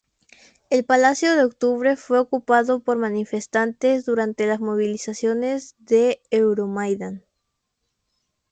El Palacio de Octubre fue ocupado por manifestantes durante las movilizaciones de Euromaidán.